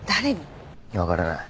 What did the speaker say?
分からない。